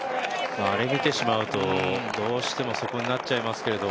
あれ見てしまうと、どうしてもそこになってしまいますけど。